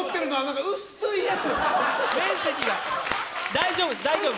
大丈夫、大丈夫！